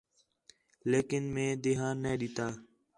لیکن مئے دھیان نَے ݙِتّا